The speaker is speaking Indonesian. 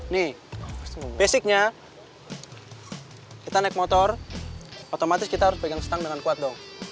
nih basicnya kita naik motor otomatis kita harus pegang stang dengan kuat dong